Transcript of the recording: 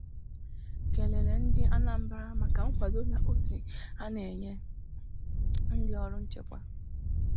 kèlèrè Ndị Anambra maka nkwàdo na ozi ha na-enye ndị ọrụ nchekwa